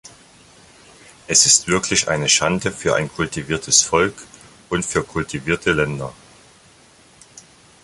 Es ist wirklich eine Schande für ein kultiviertes Volk und für kultivierte Länder.